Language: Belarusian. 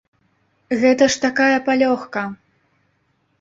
Гэта ж такая палёгка!